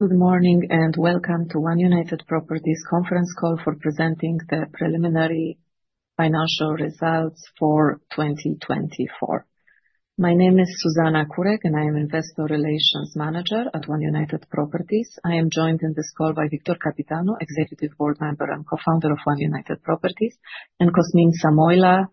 Good morning and welcome to One United Properties' conference call for presenting the preliminary financial results for 2024. My name is Zuzanna Kurek, and I am Investor Relations Manager at One United Properties. I am joined in this call by Victor Căpitanu, Executive Board Member and Co-founder of One United Properties, and Cosmin Samoilă,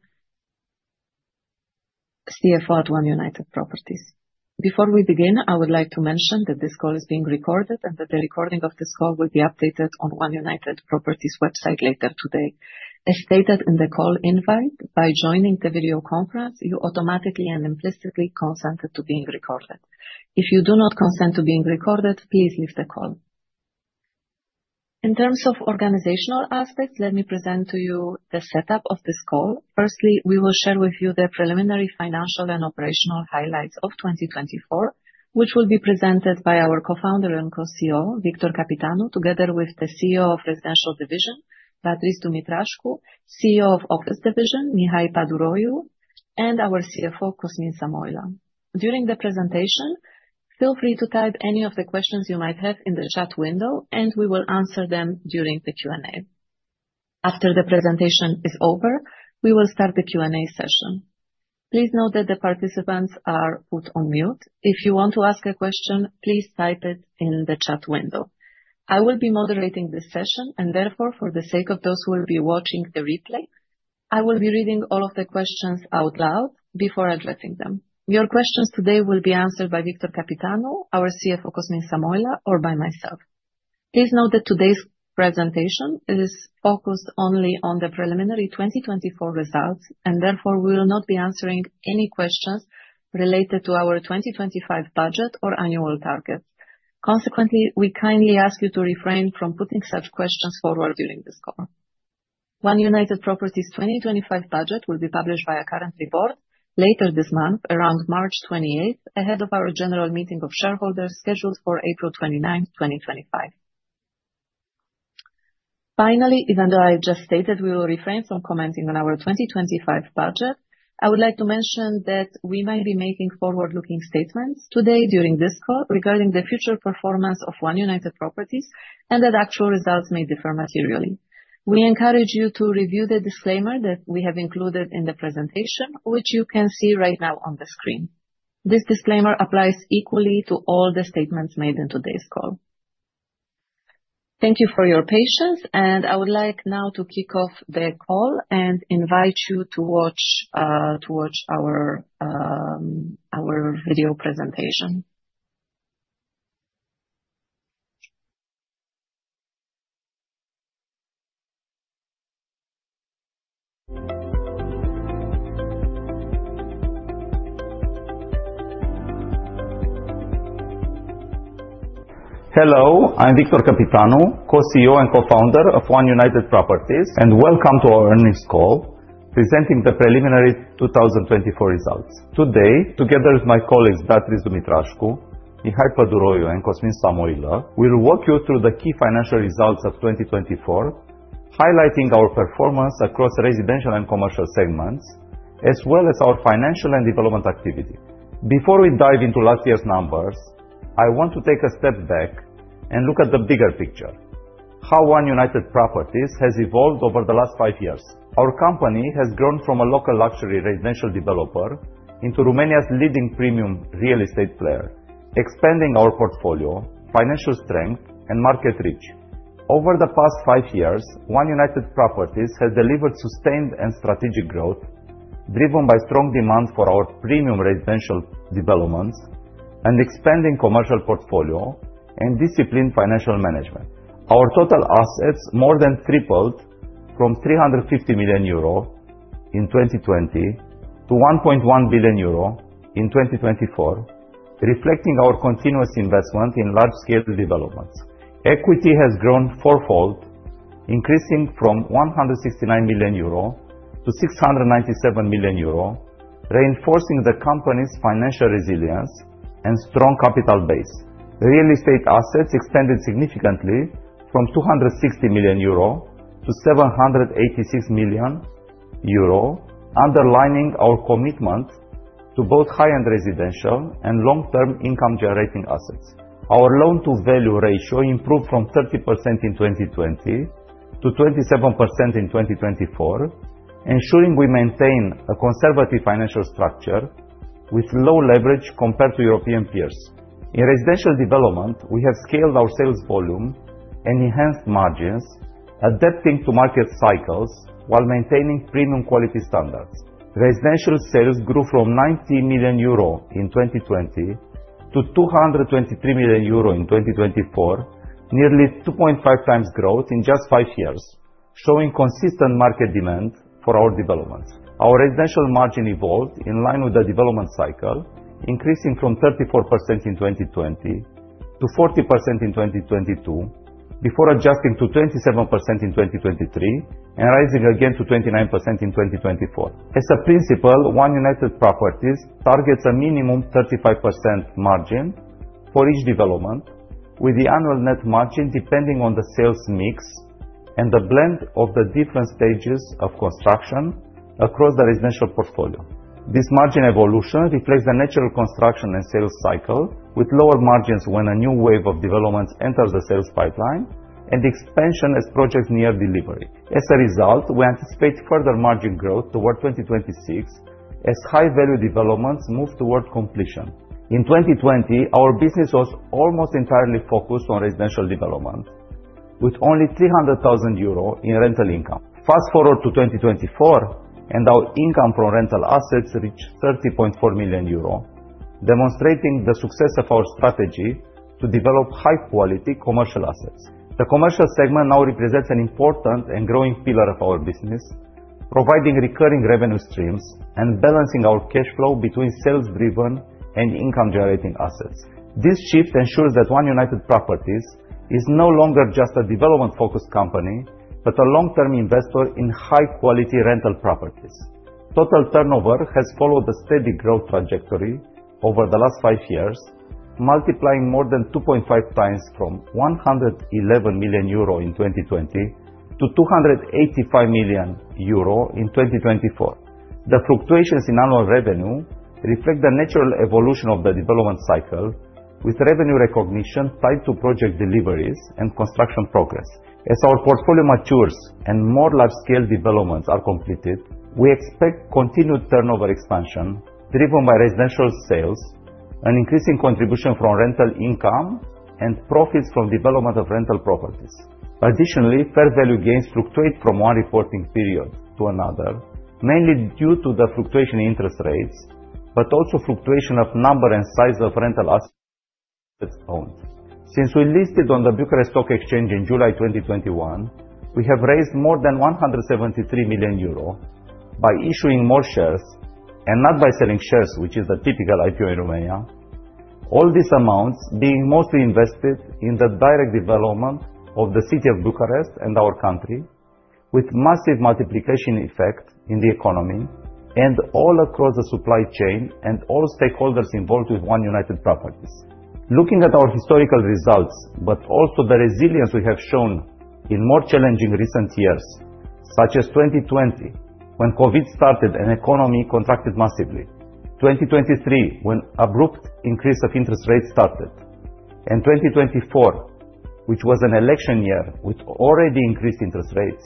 CFO at One United Properties. Before we begin, I would like to mention that this call is being recorded and that the recording of this call will be updated on One United Properties' website later today. As stated in the call invite, by joining the video conference, you automatically and implicitly consented to being recorded. If you do not consent to being recorded, please leave the call. In terms of organizational aspects, let me present to you the setup of this call. Firstly, we will share with you the preliminary financial and operational highlights of 2024, which will be presented by our co-founder and co-CEO, Victor Căpitanu, together with the CEO of Residential Division, Beatrice Dumitrașcu, CEO of Office Division, Mihai Păduroiu, and our CFO, Cosmin Samoilă. During the presentation, feel free to type any of the questions you might have in the chat window, and we will answer them during the Q&A. After the presentation is over, we will start the Q&A session. Please note that the participants are put on mute. If you want to ask a question, please type it in the chat window. I will be moderating this session, and therefore, for the sake of those who will be watching the replay, I will be reading all of the questions out loud before addressing them. Your questions today will be answered by Victor Căpitanu, our CFO, Cosmin Samoilă, or by myself. Please note that today's presentation is focused only on the preliminary 2024 results, and therefore we will not be answering any questions related to our 2025 budget or annual targets. Consequently, we kindly ask you to refrain from putting such questions forward during this call. One United Properties' 2025 budget will be published by a current report later this month, around March 28th, ahead of our general meeting of shareholders scheduled for April 29th, 2025. Finally, even though I just stated we will refrain from commenting on our 2025 budget, I would like to mention that we might be making forward-looking statements today during this call regarding the future performance of One United Properties and that actual results may differ materially. We encourage you to review the disclaimer that we have included in the presentation, which you can see right now on the screen. This disclaimer applies equally to all the statements made in today's call. Thank you for your patience, and I would like now to kick off the call and invite you to watch our video presentation. Hello, I'm Victor Căpitanu, Co-CEO and Co-founder of One United Properties, and welcome to our earnings call presenting the preliminary 2024 results. Today, together with my colleagues Beatrice Dumitrașcu, Mihai Păduroiu, and Cosmin Samoilă, we will walk you through the key financial results of 2024, highlighting our performance across residential and commercial segments, as well as our financial and development activity. Before we dive into last year's numbers, I want to take a step back and look at the bigger picture: how One United Properties has evolved over the last five years. Our company has grown from a local luxury residential developer into Romania's leading premium real estate player, expanding our portfolio, financial strength, and market reach. Over the past five years, One United Properties has delivered sustained and strategic growth driven by strong demand for our premium residential developments and expanding commercial portfolio and disciplined financial management. Our total assets more than tripled from 350 million euro in 2020 to 1.1 billion euro in 2024, reflecting our continuous investment in large-scale developments. Equity has grown fourfold, increasing from 169 million euro to 697 million euro, reinforcing the company's financial resilience and strong capital base. Real estate assets expanded significantly from 260 million euro to 786 million euro, underlining our commitment to both high-end residential and long-term income-generating assets. Our loan-to-value ratio improved from 30% in 2020 to 27% in 2024, ensuring we maintain a conservative financial structure with low leverage compared to European peers. In residential development, we have scaled our sales volume and enhanced margins, adapting to market cycles while maintaining premium quality standards. Residential sales grew from 90 million euro in 2020 to 223 million euro in 2024, nearly 2.5 times growth in just five years, showing consistent market demand for our developments. Our residential margin evolved in line with the development cycle, increasing from 34% in 2020 to 40% in 2022, before adjusting to 27% in 2023 and rising again to 29% in 2024. As a principle, One United Properties targets a minimum 35% margin for each development, with the annual net margin depending on the sales mix and the blend of the different stages of construction across the residential portfolio. This margin evolution reflects the natural construction and sales cycle, with lower margins when a new wave of developments enters the sales pipeline and expansion as projects near delivery. As a result, we anticipate further margin growth toward 2026 as high-value developments move toward completion. In 2020, our business was almost entirely focused on residential development, with only 300,000 euro in rental income. Fast forward to 2024, and our income from rental assets reached 30.4 million euro, demonstrating the success of our strategy to develop high-quality commercial assets. The commercial segment now represents an important and growing pillar of our business, providing recurring revenue streams and balancing our cash flow between sales-driven and income-generating assets. This shift ensures that One United Properties is no longer just a development-focused company but a long-term investor in high-quality rental properties. Total turnover has followed a steady growth trajectory over the last five years, multiplying more than 2.5 times from 111 million euro in 2020 to 285 million euro in 2024. The fluctuations in annual revenue reflect the natural evolution of the development cycle, with revenue recognition tied to project deliveries and construction progress. As our portfolio matures and more large-scale developments are completed, we expect continued turnover expansion driven by residential sales, an increasing contribution from rental income, and profits from development of rental properties. Additionally, fair value gains fluctuate from one reporting period to another, mainly due to the fluctuation in interest rates, but also fluctuation of number and size of rental assets owned. Since we listed on the Bucharest Stock Exchange in July 2021, we have raised more than 173 million euro by issuing more shares and not by selling shares, which is the typical IPO in Romania, all these amounts being mostly invested in the direct development of the city of Bucharest and our country, with massive multiplication effect in the economy and all across the supply chain and all stakeholders involved with One United Properties. Looking at our historical results, but also the resilience we have shown in more challenging recent years, such as 2020 when COVID started and the economy contracted massively, 2023 when abrupt increase of interest rates started, and 2024, which was an election year with already increased interest rates,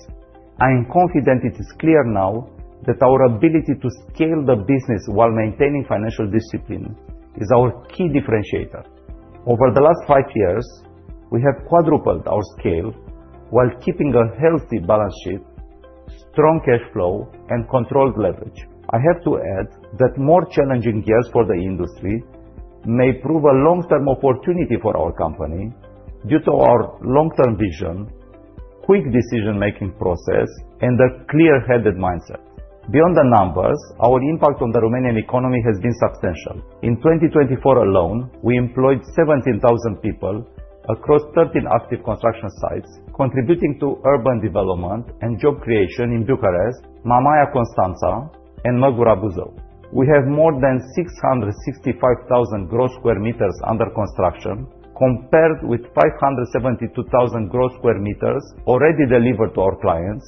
I am confident it is clear now that our ability to scale the business while maintaining financial discipline is our key differentiator. Over the last five years, we have quadrupled our scale while keeping a healthy balance sheet, strong cash flow, and controlled leverage. I have to add that more challenging years for the industry may prove a long-term opportunity for our company due to our long-term vision, quick decision-making process, and a clear-headed mindset. Beyond the numbers, our impact on the Romanian economy has been substantial. In 2024 alone, we employed 17,000 people across 13 active construction sites, contributing to urban development and job creation in Bucharest, Mamaia, Constanța, and Măgura Buzău. We have more than 665,000 gross sq m under construction, compared with 572,000 gross sq m already delivered to our clients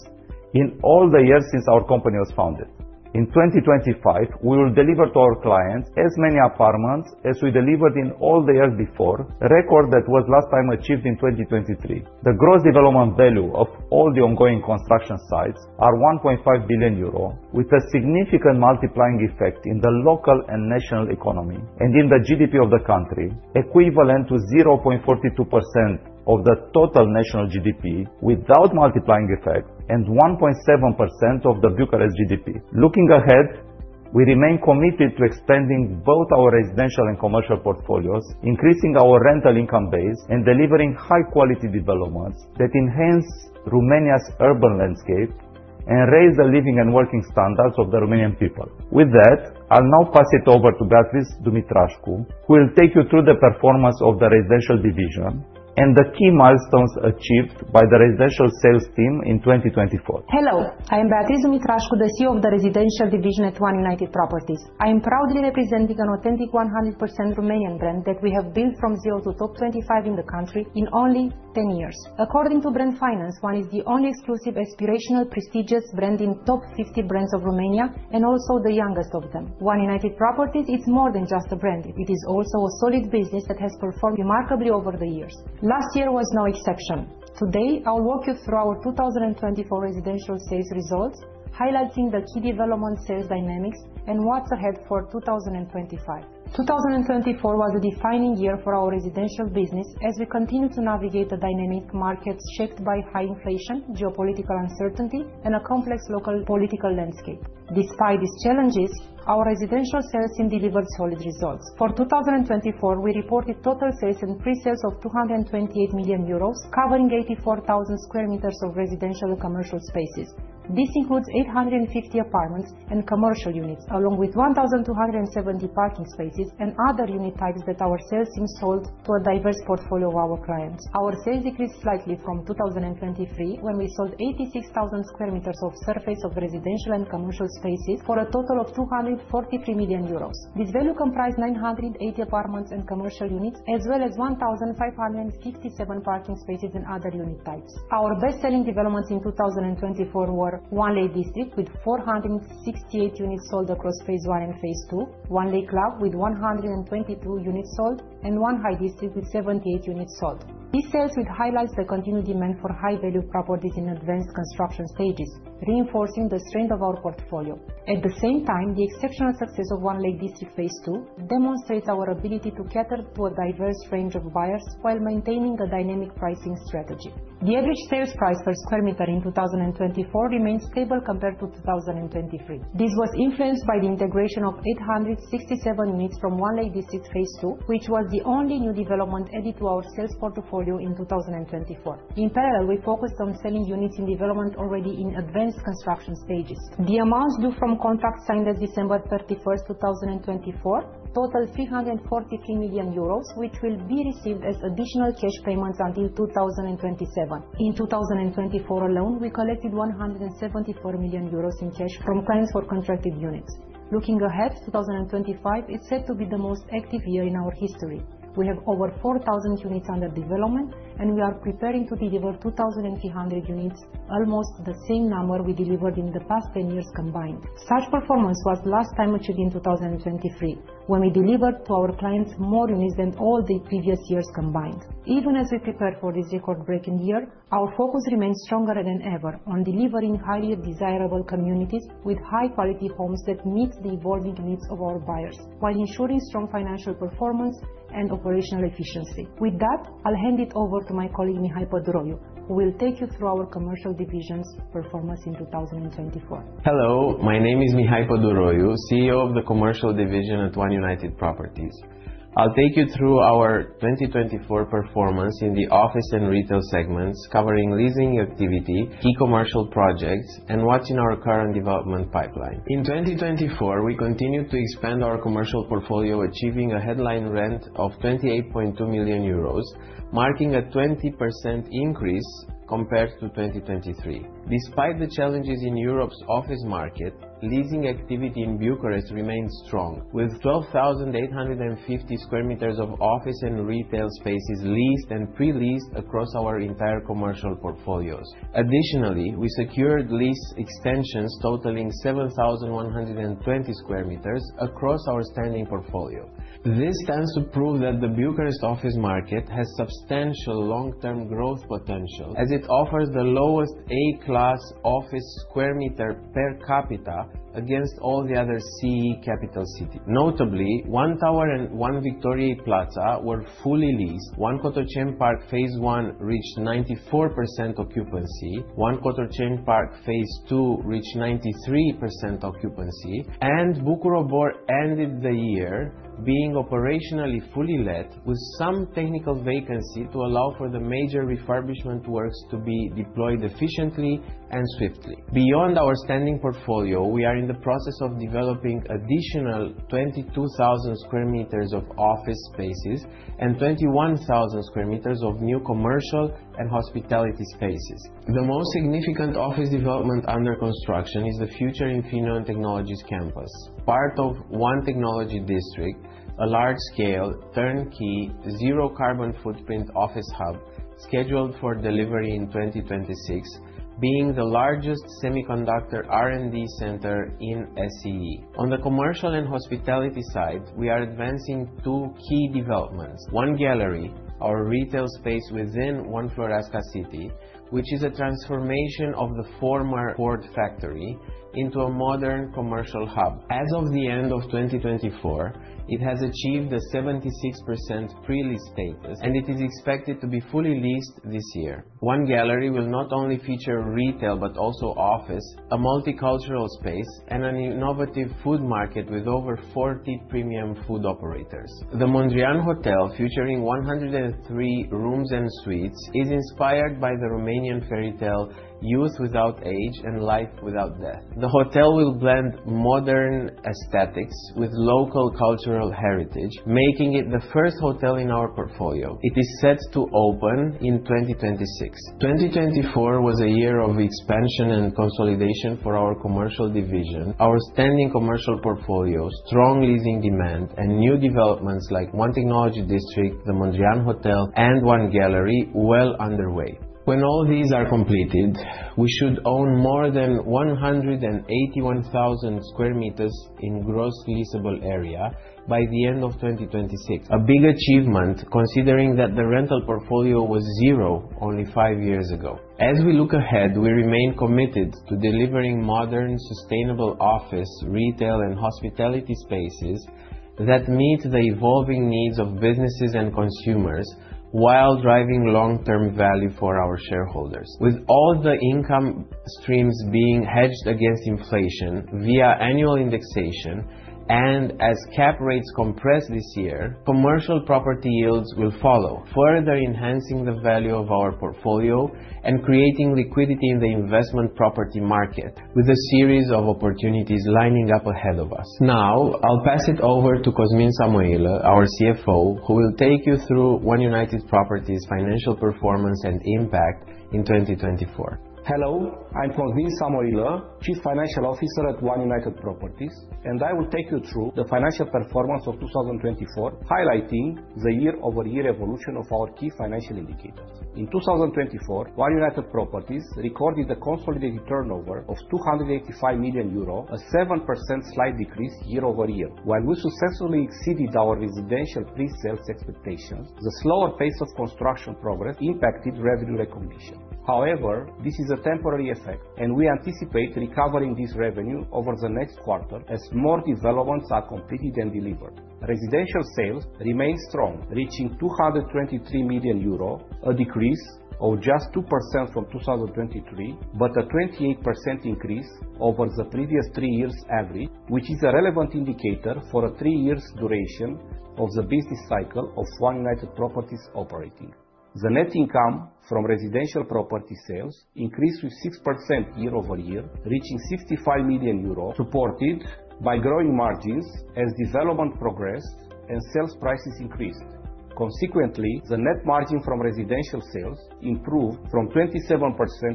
in all the years since our company was founded. In 2025, we will deliver to our clients as many apartments as we delivered in all the years before, a record that was last time achieved in 2023. The gross development value of all the ongoing construction sites is 1.5 billion euro, with a significant multiplying effect in the local and national economy and in the GDP of the country, equivalent to 0.42% of the total national GDP without multiplying effect and 1.7% of the Bucharest GDP. Looking ahead, we remain committed to expanding both our residential and commercial portfolios, increasing our rental income base, and delivering high-quality developments that enhance Romania's urban landscape and raise the living and working standards of the Romanian people. With that, I'll now pass it over to Beatrice Dumitrașcu, who will take you through the performance of the Residential Division and the key milestones achieved by the Residential Sales Team in 2024. Hello, I am Beatrice Dumitrașcu, the CEO of the Residential Division at One United Properties. I am proudly representing an authentic 100% Romanian brand that we have built from zero to top 25 in the country in only 10 years. According to Brand Finance, One is the only exclusive aspirational prestigious brand in top 50 brands of Romania and also the youngest of them. One United Properties, it's more than just a brand. It is also a solid business that has performed remarkably over the years. Last year was no exception. Today, I'll walk you through our 2024 Residential Sales results, highlighting the key development sales dynamics and what's ahead for 2025. 2024 was a defining year for our residential business as we continue to navigate the dynamic markets shaped by high inflation, geopolitical uncertainty, and a complex local political landscape. Despite these challenges, our residential sales team delivered solid results. For 2024, we reported total sales and pre-sales of 228 million euros, covering 84,000 sq m of residential and commercial spaces. This includes 850 apartments and commercial units, along with 1,270 parking spaces and other unit types that our sales team sold to a diverse portfolio of our clients. Our sales decreased slightly from 2023 when we sold 86,000 sq m of surface of residential and commercial spaces for a total of 243 million euros. This value comprised 980 apartments and commercial units, as well as 1,557 parking spaces and other unit types. Our best-selling developments in 2024 were One Lake District, with 468 units sold across phase one and phase two, One Lake Club with 122 units sold, and One High District with 78 units sold. These sales highlight the continued demand for high-value properties in advanced construction stages, reinforcing the strength of our portfolio. At the same time, the exceptional success of One Lake District Phase Two demonstrates our ability to cater to a diverse range of buyers while maintaining a dynamic pricing strategy. The average sales price per square meter in 2024 remained stable compared to 2023. This was influenced by the integration of 867 units from One Lake District Phase Two, which was the only new development added to our sales portfolio in 2024. In parallel, we focused on selling units in development already in advanced construction stages. The amounts due from contracts signed as of December 31, 2024, totaled 343 million euros, which will be received as additional cash payments until 2027. In 2024 alone, we collected 174 million euros in cash from clients for contracted units. Looking ahead, 2025 is set to be the most active year in our history. We have over 4,000 units under development, and we are preparing to deliver 2,300 units, almost the same number we delivered in the past 10 years combined. Such performance was last time achieved in 2023, when we delivered to our clients more units than all the previous years combined. Even as we prepare for this record-breaking year, our focus remains stronger than ever on delivering highly desirable communities with high-quality homes that meet the evolving needs of our buyers, while ensuring strong financial performance and operational efficiency. With that, I'll hand it over to my colleague Mihai Păduroiu, who will take you through our Commercial Division's performance in 2024. Hello, my name is Mihai Păduroiu, CEO of the Commercial Division at One United Properties. I'll take you through our 2024 performance in the office and retail segments, covering leasing activity, key commercial projects, and what's in our current development pipeline. In 2024, we continued to expand our commercial portfolio, achieving a headline rent of 28.2 million euros, marking a 20% increase compared to 2023. Despite the challenges in Europe's office market, leasing activity in Bucharest remained strong, with 12,850 sq m of office and retail spaces leased and pre-leased across our entire commercial portfolios. Additionally, we secured lease extensions totaling 7,120 sq m across our standing portfolio. This stands to prove that the Bucharest office market has substantial long-term growth potential, as it offers the lowest A-class office sq m per capita against all the other CE capital cities. Notably, One Tower and One Victoria Plaza were fully leased, One Cotroceni Park Phase One reached 94% occupancy, One Cotroceni Park Phase Two reached 93% occupancy, and Bucur Obor ended the year being operationally fully lit, with some technical vacancy to allow for the major refurbishment works to be deployed efficiently and swiftly. Beyond our standing portfolio, we are in the process of developing additional 22,000 sq m of office spaces and 21,000 sq m of new commercial and hospitality spaces. The most significant office development under construction is the future Infineon Technologies Campus, part of One Technology District, a large-scale, turnkey, zero-carbon footprint office hub scheduled for delivery in 2026, being the largest semiconductor R&D center in SCE. On the commercial and hospitality side, we are advancing two key developments: One Gallery, our retail space within One Floreasca City, which is a transformation of the former Ford factory into a modern commercial hub. As of the end of 2024, it has achieved a 76% pre-lease status, and it is expected to be fully leased this year. One Gallery will not only feature retail but also office, a multicultural space, and an innovative food market with over 40 premium food operators. The Mondrian Hotel, featuring 103 rooms and suites, is inspired by the Romanian fairy tale "Youth Without Age" and "Life Without Death." The hotel will blend modern aesthetics with local cultural heritage, making it the first hotel in our portfolio. It is set to open in 2026. 2024 was a year of expansion and consolidation for our Commercial Division. Our standing commercial portfolio, strong leasing demand, and new developments like One Technology District, the Mondrian Hotel, and One Gallery are well underway. When all these are completed, we should own more than 181,000 sq m in gross leasable area by the end of 2026, a big achievement considering that the rental portfolio was zero only five years ago. As we look ahead, we remain committed to delivering modern, sustainable office, retail, and hospitality spaces that meet the evolving needs of businesses and consumers while driving long-term value for our shareholders. With all the income streams being hedged against inflation via annual indexation and as cap rates compress this year, commercial property yields will follow, further enhancing the value of our portfolio and creating liquidity in the investment property market, with a series of opportunities lining up ahead of us. Now, I'll pass it over to Cosmin Samoilă, our CFO, who will take you through One United Properties' financial performance and impact in 2024. Hello, I'm Cosmin Samoilă, Chief Financial Officer at One United Properties, and I will take you through the financial performance of 2024, highlighting the year-over-year evolution of our key financial indicators. In 2024, One United Properties recorded a consolidated turnover of 285 million euro, a 7% slight decrease year-over-year. While we successfully exceeded our residential pre-sales expectations, the slower pace of construction progress impacted revenue recognition. However, this is a temporary effect, and we anticipate recovering this revenue over the next quarter as more developments are completed and delivered. Residential sales remain strong, reaching 223 million euro, a decrease of just 2% from 2023, but a 28% increase over the previous three years' average, which is a relevant indicator for a three-year duration of the business cycle of One United Properties operating. The net income from residential property sales increased with 6% year-over-year, reaching 65 million euros, supported by growing margins as development progressed and sales prices increased. Consequently, the net margin from residential sales improved from 27%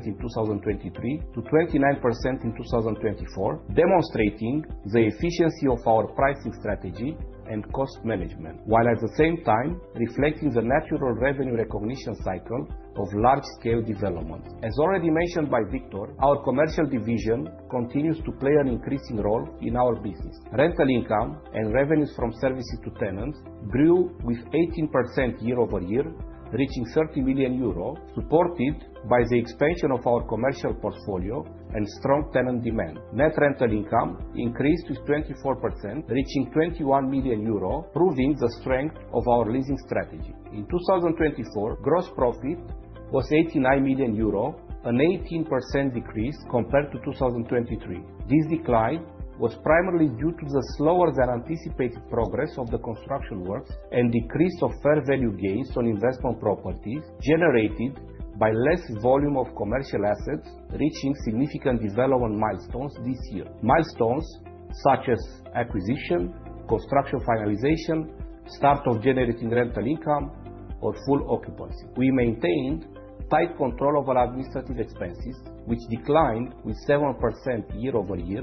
in 2023 to 29% in 2024, demonstrating the efficiency of our pricing strategy and cost management, while at the same time reflecting the natural revenue recognition cycle of large-scale development. As already mentioned by Victor, our Commercial Division continues to play an increasing role in our business. Rental income and revenues from services to tenants grew with 18% year-over-year, reaching 30 million euro, supported by the expansion of our commercial portfolio and strong tenant demand. Net rental income increased with 24%, reaching 21 million euro, proving the strength of our leasing strategy. In 2024, gross profit was 89 million euro, an 18% decrease compared to 2023. This decline was primarily due to the slower-than-anticipated progress of the construction works and decrease of fair value gains on investment properties generated by less volume of commercial assets, reaching significant development milestones this year, milestones such as acquisition, construction finalization, start of generating rental income, or full occupancy. We maintained tight control over administrative expenses, which declined by 7% year-over-year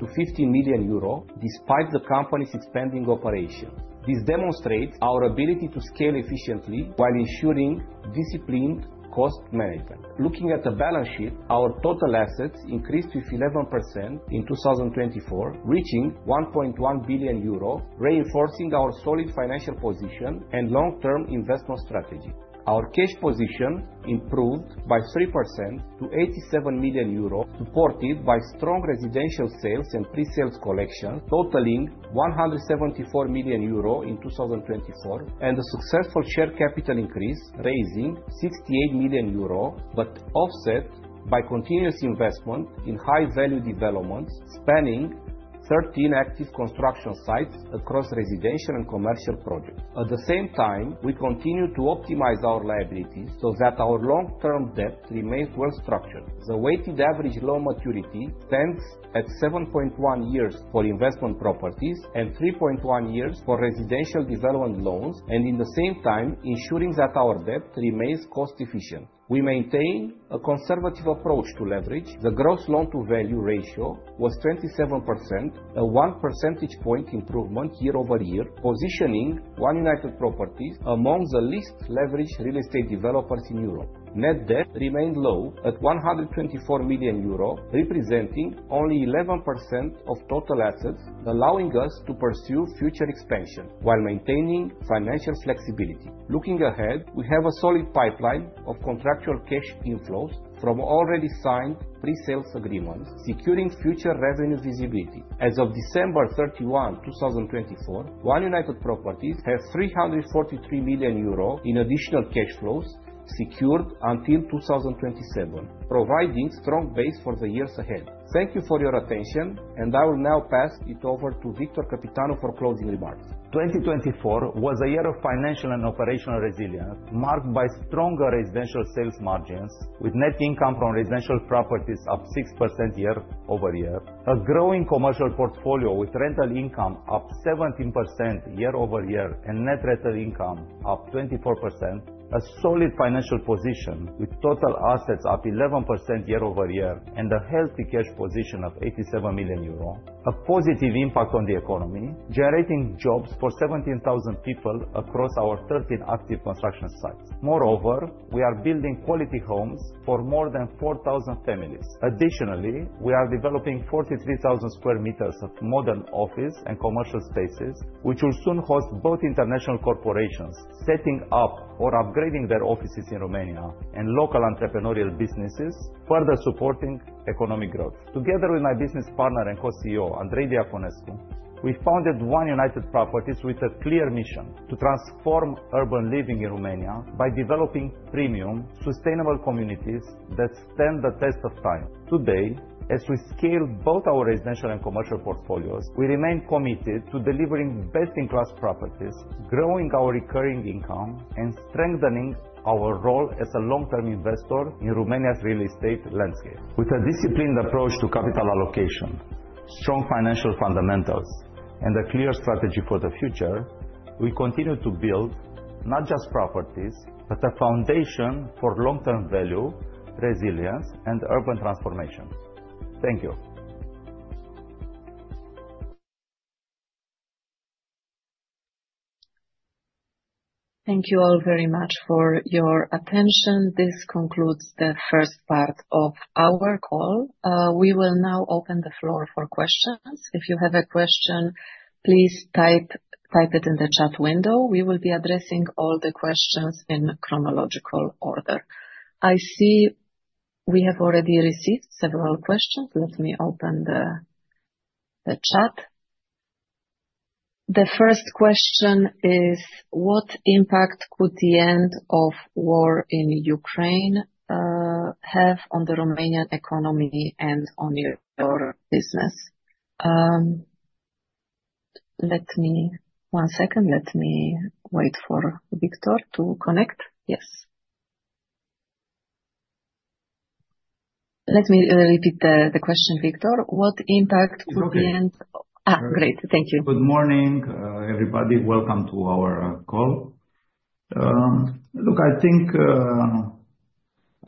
to 15 million euro, despite the company's expanding operations. This demonstrates our ability to scale efficiently while ensuring disciplined cost management. Looking at the balance sheet, our total assets increased by 11% in 2024, reaching 1.1 billion euro, reinforcing our solid financial position and long-term investment strategy. Our cash position improved by 3% to 87 million euro, supported by strong residential sales and pre-sales collection totaling 174 million euro in 2024, and a successful share capital increase raising 68 million euro, but offset by continuous investment in high-value developments spanning 13 active construction sites across residential and commercial projects. At the same time, we continue to optimize our liabilities so that our long-term debt remains well-structured. The weighted average loan maturity stands at 7.1 years for investment properties and 3.1 years for residential development loans, and in the same time, ensuring that our debt remains cost-efficient. We maintain a conservative approach to leverage. The gross loan-to-value ratio was 27%, a one percentage point improvement year-over-year, positioning One United Properties among the least leveraged real estate developers in Europe. Net debt remained low at 124 million euro, representing only 11% of total assets, allowing us to pursue future expansion while maintaining financial flexibility. Looking ahead, we have a solid pipeline of contractual cash inflows from already signed pre-sales agreements, securing future revenue visibility. As of December 31, 2024, One United Properties has 343 million euro in additional cash flows secured until 2027, providing a strong base for the years ahead. Thank you for your attention, and I will now pass it over to Victor Căpitanu for closing remarks. 2024 was a year of financial and operational resilience, marked by stronger residential sales margins, with net income from residential properties up 6% year-over-year, a growing commercial portfolio with rental income up 17% year-over-year and net rental income up 24%, a solid financial position with total assets up 11% year-over-year, and a healthy cash position of 87 million euro, a positive impact on the economy, generating jobs for 17,000 people across our 13 active construction sites. Moreover, we are building quality homes for more than 4,000 families. Additionally, we are developing 43,000 sq m of modern office and commercial spaces, which will soon host both international corporations setting up or upgrading their offices in Romania and local entrepreneurial businesses, further supporting economic growth. Together with my business partner and co-CEO, Andrei Diaconescu, we founded One United Properties with a clear mission to transform urban living in Romania by developing premium, sustainable communities that stand the test of time. Today, as we scale both our residential and commercial portfolios, we remain committed to delivering best-in-class properties, growing our recurring income, and strengthening our role as a long-term investor in Romania's real estate landscape. With a disciplined approach to capital allocation, strong financial fundamentals, and a clear strategy for the future, we continue to build not just properties, but a foundation for long-term value, resilience, and urban transformation. Thank you. Thank you all very much for your attention. This concludes the first part of our call. We will now open the floor for questions. If you have a question, please type it in the chat window. We will be addressing all the questions in chronological order. I see we have already received several questions. Let me open the chat. The first question is, what impact could the end of war in Ukraine have on the Romanian economy and on your business? Let me, one second. Let me wait for Victor to connect. Yes. Let me repeat the question, Victor. What impact could the end of, ah, great. Thank you. Good morning, everybody. Welcome to our call. Look, I think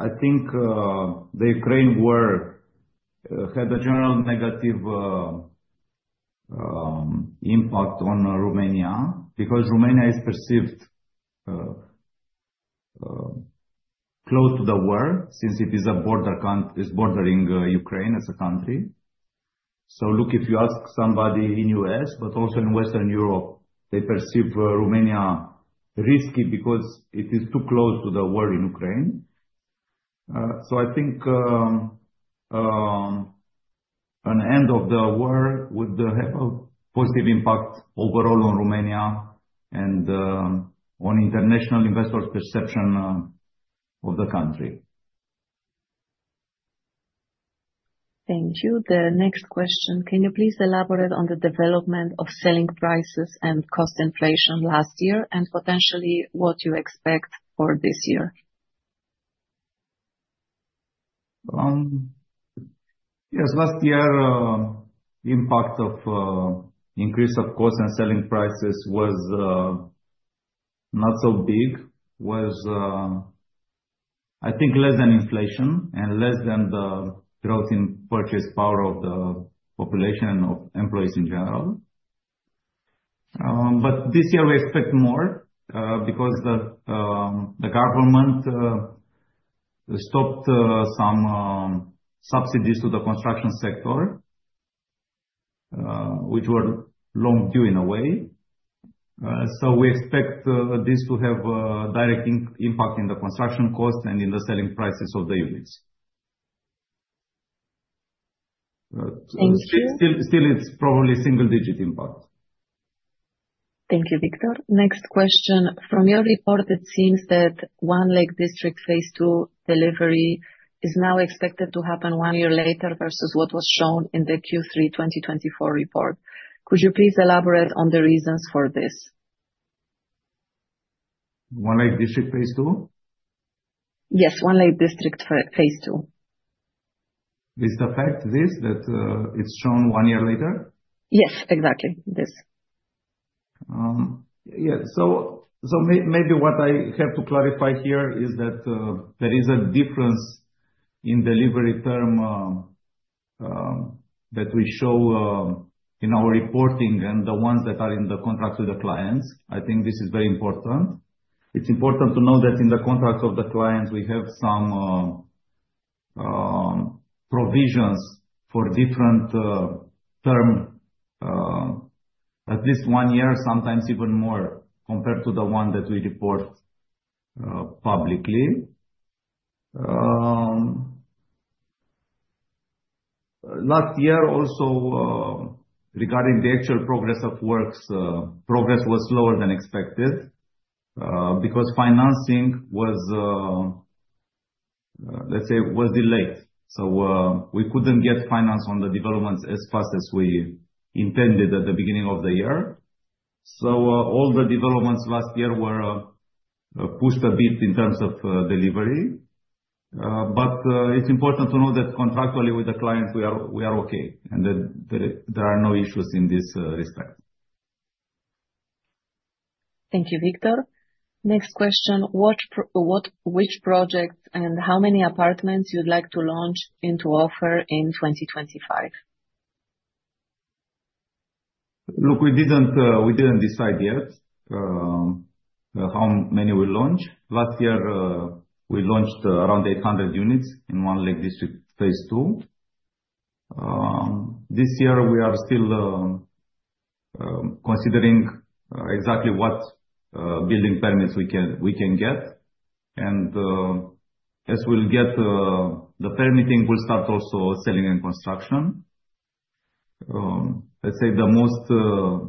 the Ukraine war had a general negative impact on Romania because Romania is perceived close to the war since it is bordering Ukraine as a country. Look, if you ask somebody in the U.S., but also in Western Europe, they perceive Romania risky because it is too close to the war in Ukraine. I think an end of the war would have a positive impact overall on Romania and on international investors' perception of the country. Thank you. The next question. Can you please elaborate on the development of selling prices and cost inflation last year and potentially what you expect for this year? Yes. Last year, the impact of the increase of costs and selling prices was not so big. It was, I think, less than inflation and less than the growth in purchase power of the population and of employees in general. This year, we expect more because the government stopped some subsidies to the construction sector, which were long due in a way. We expect this to have a direct impact in the construction costs and in the selling prices of the units. Thank you. Still, it's probably a single-digit impact. Thank you, Victor. Next question. From your report, it seems that One Lake District Phase Two delivery is now expected to happen one year later versus what was shown in the Q3 2024 report. Could you please elaborate on the reasons for this? One Lake District Phase II? Yes, One Lake District Phase II. Does it affect this that it's shown one year later? Yes, exactly. This. Yeah. Maybe what I have to clarify here is that there is a difference in delivery term that we show in our reporting and the ones that are in the contract with the clients. I think this is very important. It's important to know that in the contract of the clients, we have some provisions for different terms, at least one year, sometimes even more compared to the one that we report publicly. Last year, also, regarding the actual progress of works, progress was slower than expected because financing, let's say, was delayed. We couldn't get financed on the developments as fast as we intended at the beginning of the year. All the developments last year were pushed a bit in terms of delivery. It's important to know that contractually with the clients, we are okay, and there are no issues in this respect. Thank you, Victor. Next question. Which project and how many apartments you'd like to launch into offer in 2025? Look, we did not decide yet how many we will launch. Last year, we launched around 800 units in One Lake District phase two. This year, we are still considering exactly what building permits we can get. As we get the permitting, we will start also selling and construction. The most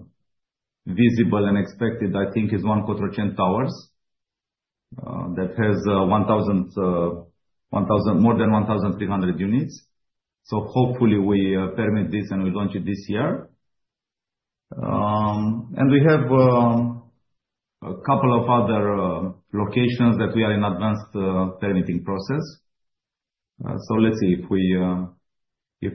visible and expected, I think, is One Cotroceni Towers that has more than 1,300 units. Hopefully, we permit this and we launch it this year. We have a couple of other locations that we are in advanced permitting process. If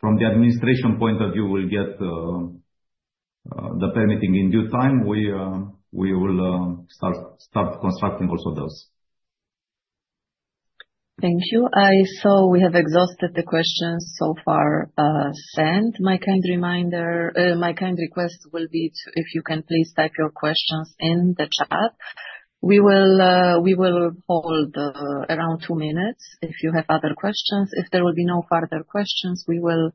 from the administration point of view we get the permitting in due time, we will start constructing also those. Thank you. I saw we have exhausted the questions so far sent. My kind request will be if you can please type your questions in the chat. We will hold around two minutes if you have other questions. If there will be no further questions, we will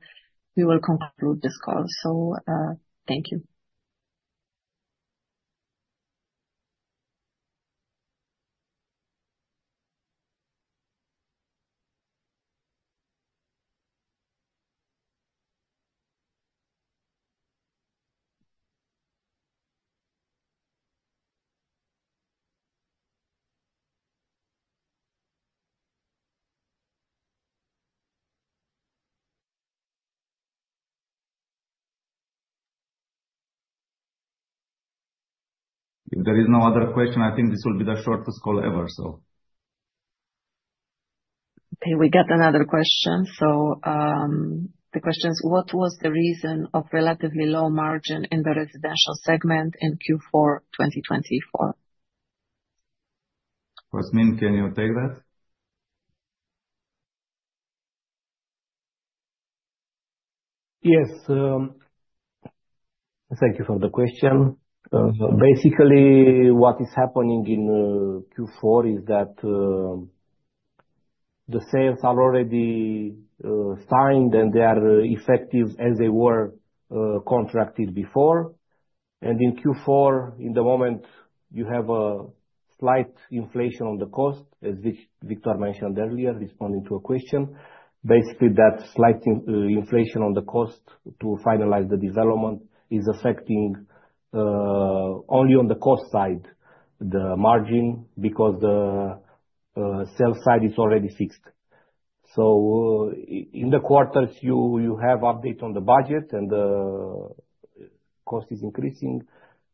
conclude this call. Thank you. If there is no other question, I think this will be the shortest call ever. Okay. We got another question. The question is, what was the reason of relatively low margin in the residential segment in Q4 2024? Cosmin, can you take that? Yes. Thank you for the question. Basically, what is happening in Q4 is that the sales are already signed, and they are effective as they were contracted before. In Q4, in the moment, you have a slight inflation on the cost, as Victor mentioned earlier, responding to a question. Basically, that slight inflation on the cost to finalize the development is affecting only on the cost side, the margin, because the sales side is already fixed. In the quarters, you have updates on the budget, and the cost is increasing.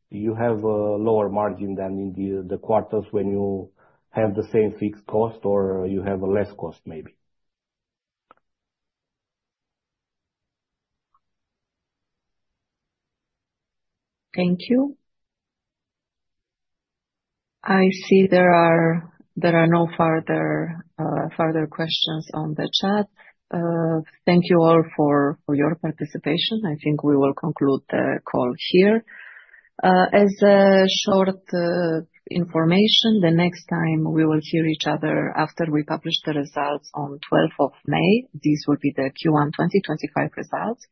You have a lower margin than in the quarters when you have the same fixed cost or you have a less cost, maybe. Thank you. I see there are no further questions on the chat. Thank you all for your participation. I think we will conclude the call here. As a short information, the next time we will hear each other after we publish the results on 12th of May, these will be the Q1 2025 results.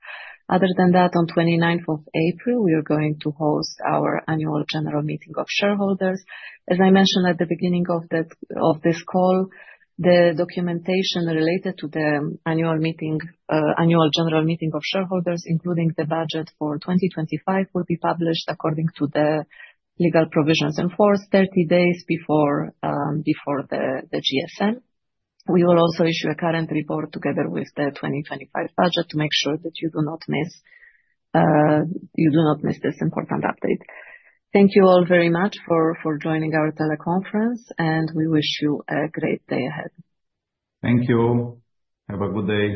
Other than that, on 29th of April, we are going to host our annual general meeting of shareholders. As I mentioned at the beginning of this call, the documentation related to the annual general meeting of shareholders, including the budget for 2025, will be published according to the legal provisions enforced 30 days before the GSM. We will also issue a current report together with the 2025 budget to make sure that you do not miss this important update. Thank you all very much for joining our teleconference, and we wish you a great day ahead. Thank you. Have a good day.